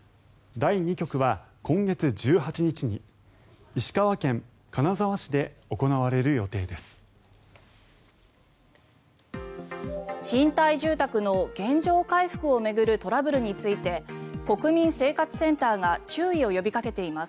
第２局は今月１８日に石川県金沢市で行われる予定です。